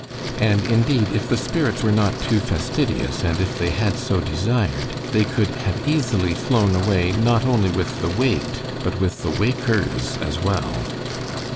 And, indeed, if the spirits were not too fastidious, and if they had so desired, they could have easily flown away, not only with the "waked," but with the "wakers" as well.